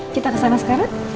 kita kesana sekarang